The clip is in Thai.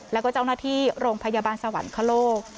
แล้วก็เจ้าหน้าที่โรงพยาบาลสวรรคโลก